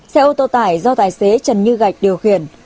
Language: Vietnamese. xe ô tô tải do tài xế trần như gạch điều khiển